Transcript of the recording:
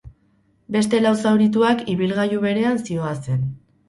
Beste lau zaurituak ibilgailu berean zihoazen.